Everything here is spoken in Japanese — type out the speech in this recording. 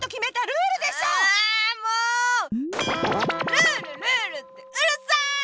ルールルールってうるさい！